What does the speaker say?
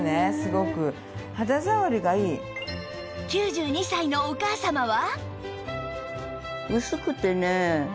９２歳のお母様は？